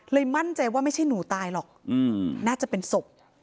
มั่นใจว่าไม่ใช่หนูตายหรอกน่าจะเป็นศพ